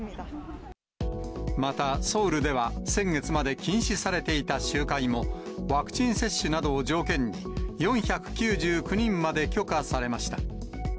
またソウルでは、先月まで禁止されていた集会も、ワクチン接種などを条件に、４９９人まで許可されました。